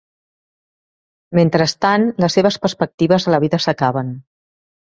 Mentrestant, les seves perspectives a la vida s'acaben.